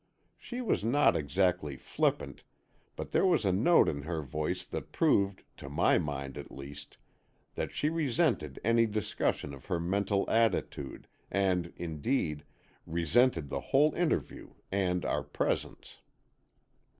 She was not exactly flippant, but there was a note in her voice that proved, to my mind at least, that she resented any discussion of her mental attitude, and indeed, resented the whole interview and our presence.